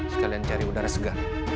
sekalian cari udara segar